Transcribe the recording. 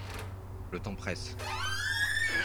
Le temps presse...